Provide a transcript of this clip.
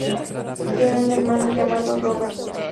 Tiene un hermano llamado Robert.